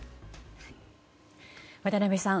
渡辺さん